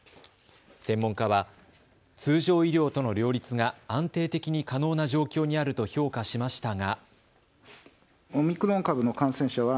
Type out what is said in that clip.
専門家は、通常医療との両立が安定的に可能な状況にあると評価しましたが。